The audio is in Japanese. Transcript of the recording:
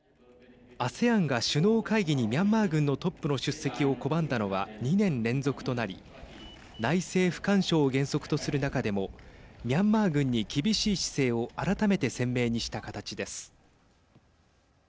ＡＳＥＡＮが首脳会議にミャンマー軍のトップの出席を拒んだのは２年連続となり内政不干渉を原則とする中でもミャンマー軍に厳しい姿勢を改めて鮮明にした形です。